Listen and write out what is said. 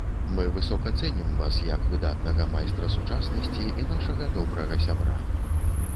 Мы высока цэнім вас як выдатнага майстра сучаснасці і нашага добрага сябра.